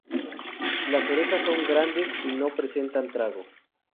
Las orejas son grandes y no presenta trago.